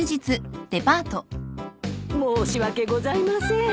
申し訳ございません。